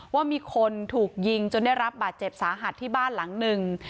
ว่ามีคนถูกยิงจนได้รับบาดเจ็บสาหัสที่บ้านหลังหนึ่ง